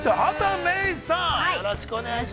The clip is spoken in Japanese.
◆よろしくお願いします。